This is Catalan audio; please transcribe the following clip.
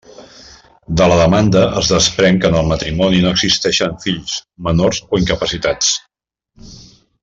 De la demanda es desprèn que en el matrimoni no existeixen fills, menors o incapacitats.